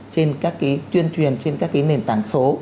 trên các cái tuyên truyền trên các nền tảng số